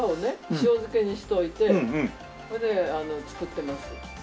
塩漬けにしておいてそれで作ってます。